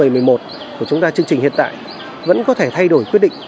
lớp một mươi một của chúng ta chương trình hiện tại vẫn có thể thay đổi quyết định